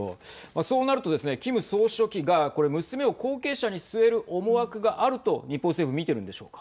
そうなるとですね、キム総書記がこれ、娘を後継者に据える思惑があると日本政府見てるんでしょうか。